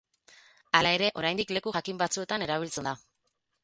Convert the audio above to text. Hala ere, oraindik leku jakin batzuetan erabiltzen da.